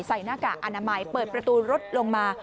หน้ากากอนามัยเปิดประตูรถลงมา